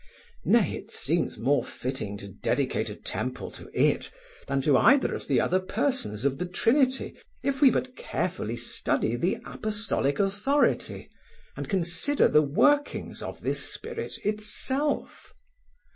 Nay, it seems more fitting to dedicate a temple to It than to either of the other Persons of the Trinity, if we but carefully study the apostolic authority, and consider the workings of this Spirit Itself.